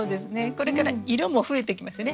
これから色も増えてきますよね。